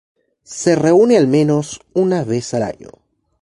Se reúne al menos una vez al año.